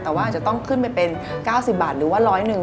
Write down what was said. แต่ว่าอาจจะต้องขึ้นไปเป็น๙๐บาทหรือว่า๑๐๐๑